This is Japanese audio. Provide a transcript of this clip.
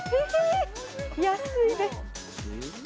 安いです。